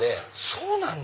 そうなんだ！